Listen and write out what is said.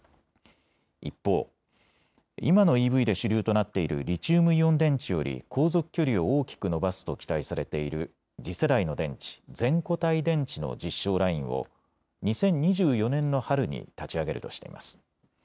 一方、今のＥＶで主流となっているリチウムイオン電池より航続距離を大きく伸ばすと期待されている次世代の電池、全固体電池の実証ラインを２０２４年の春に立ち上げるとしています。